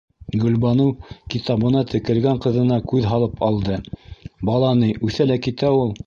- Гөлбаныу китабына текәлгән ҡыҙына күҙ һалып алды, - бала ни... үҫә лә китә ул.